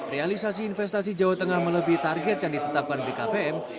realisasi investasi jawa tengah melebihi target yang ditetapkan bkpm